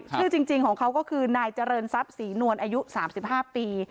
ชื่อจริงของเขาก็คือนายเจริญทรัพย์ศรีนวลอายุ๓๕ปี